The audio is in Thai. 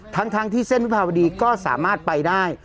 ทั้งที่เส้นวิภาวดีก็สามารถไปได้